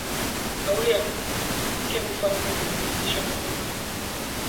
kauli ya mke wa mfalme ilithibitishwa na bunge